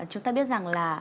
chúng ta biết rằng là